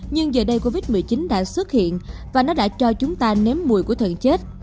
nhưng giờ đây covid một mươi chín đã xuất hiện và nó đã cho chúng ta ném mùi của thần chết